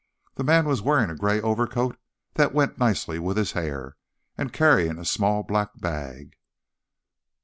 The man was wearing a grey overcoat that went nicely with his hair, and carrying a small black bag.